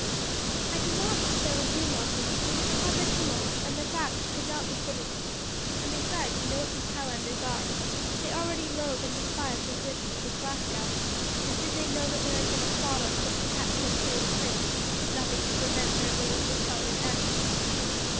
"I do not think that would do, Malcolm; it would cause a tumult, and the fact could not be hidden. And besides, you know what these Highlanders are; they already loathe and despise the citizens of Glasgow, and did they know that there had been a plot on foot to capture and slay the prince, nothing could prevent their laying the town in ashes."